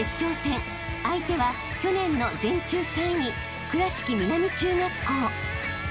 ［相手は去年の全中３位倉敷南中学校］